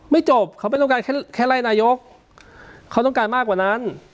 จบเขาไม่ต้องการแค่ไล่นายกเขาต้องการมากกว่านั้น